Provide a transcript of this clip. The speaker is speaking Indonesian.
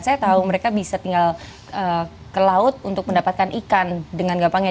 saya tahu mereka bisa tinggal ke laut untuk mendapatkan ikan dengan gampangnya